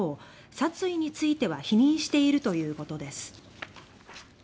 殺意については否認しているということです。